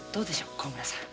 小村さん。